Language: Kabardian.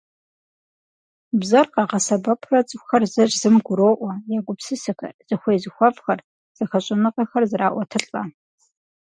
Бзэр къагъэсэбэпурэ цӀыхухэр зыр зым гуроӀуэ, я гупсысэхэр, зыхуей–зыхуэфӀхэр, зэхэщӀэныгъэхэр зэраӀуэтылӀэ.